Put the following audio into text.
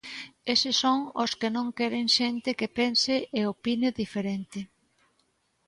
Eses son os que non queren xente que pense e opine diferente.